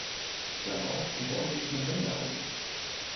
Darauf wollte ich noch hinweisen.